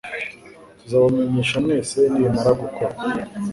Tuzabamenyesha mwese nibimara gukora.